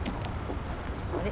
あれ？